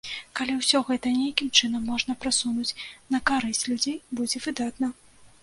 Калі ўсё гэта нейкім чынам можна прасунуць на карысць людзей, будзе выдатна.